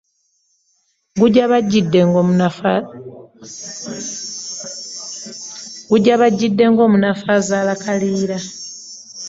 Gujabagidde , ng'omnafu azadde kaliira .